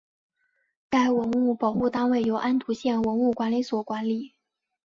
该文物保护单位由安图县文物管理所管理。